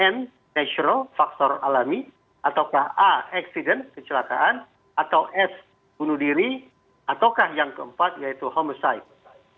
n natural faktor alami atau a accident kecelakaan atau s bunuh diri atau yang keempat yaitu homoseksual